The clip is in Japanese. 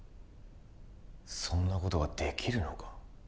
そんなことができるのか？